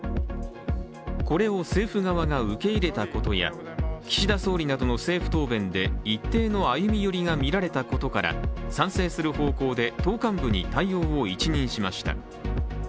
これを政府側が受け入れたことや岸田総理などの政府答弁で一定の歩み寄りが見られたことから賛成する方向で、党幹部に対応を一任しました。